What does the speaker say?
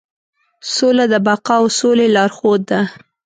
سوله د بقا او سولې لارښود ده.